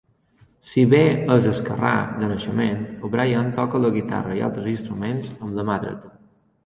Si bé és esquerrà de naixement, O'Brien toca la guitarra i altres instruments amb la mà dreta.